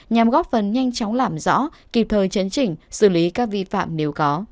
nhằm góp phần nhanh chóng làm rõ kịp thời chấn chỉnh xử lý các vi phạm nếu có